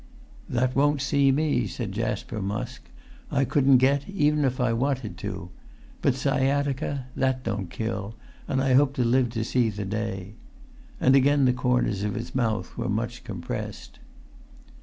"That won't see me," said Jasper Musk. "I couldn't get, even if I wanted to. But sciatica that[Pg 347] don't kill, and I hope to live to see the day." And again the corners of his mouth were much compressed.